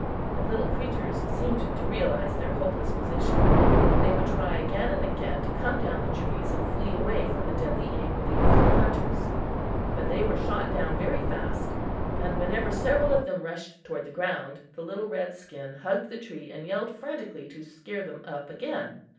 The little creatures seemed to realize their hopeless position; they would try again and again to come down the trees and flee away from the deadly aim of the youthful hunters. But they were shot down very fast; and whenever several of them rushed toward the ground, the little red skin hugged the tree and yelled frantically to scare them up again.